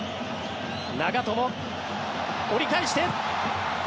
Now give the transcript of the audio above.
長友、折り返して。